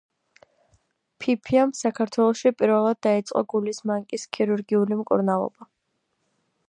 ფიფიამ საქართველოში პირველად დაიწყო გულის მანკის ქირურგიული მკურნალობა.